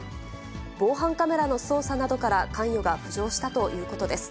防犯カメラの捜査などから関与が浮上したということです。